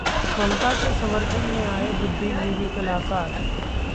ममता के समर्थन में आए बुद्धिजीवी, कलाकार